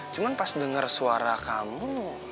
cuman pas dengar suara kamu